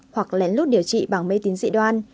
hoặc lén lút điều trị bằng mê tín dị đoan